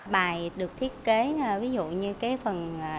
bài được thiết kế ví dụ như phong phú